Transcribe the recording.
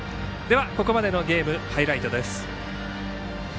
ここまでのゲームのハイライトです。